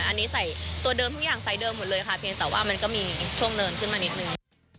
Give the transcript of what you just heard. อันนี้ใส่ตัวเดิมทุกอย่างไซส์เดิมหมดเลยค่ะเพียงแต่ว่ามันก็มีช่วงเนินขึ้นมานิดนึง